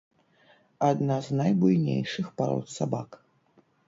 Адна з найбуйнейшых парод сабак.